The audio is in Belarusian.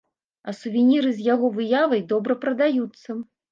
А сувеніры з яго выявай добра прадаюцца.